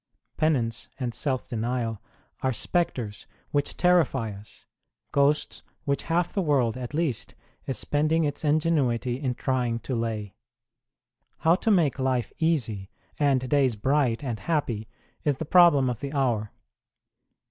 Penance and self denial are spectres which terrify us ghosts which half the world, at least, is spending its ingenuity in trying to lay. How to make life easy and days bright and happy is the problem of the hour.